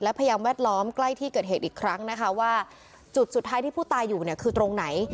และพยายามแวดล้อมใกล้ที่เกิดเหตุอีกครั้งว่าจุดสุดท้ายที่ผู้ตายอยู่คือตรงไหน